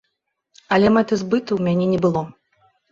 Але мэты збыту ў мяне не было.